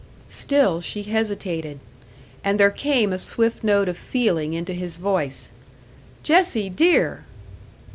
Still she hesitated. And there came a swift note of feeling into his voice: "Jessie, dear!"